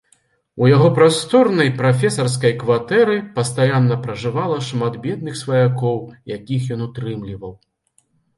У яго прасторнай прафесарскай кватэры пастаянна пражывала шмат бедных сваякоў, якіх ён утрымліваў.